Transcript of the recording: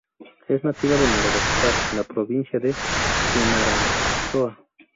Es nativa de Madagascar en la Provincia de Fianarantsoa.